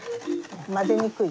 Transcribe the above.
混ぜにくい。